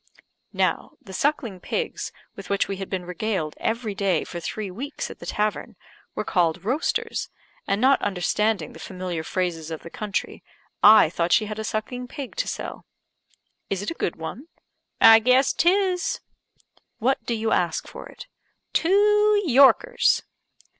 Now, the sucking pigs with which we had been regaled every day for three weeks at the tavern, were called roasters; and not understanding the familiar phrases of the country, I thought she had a sucking pig to sell. "Is it a good one?" "I guess 'tis." "What do you ask for it?" "Two Yorkers."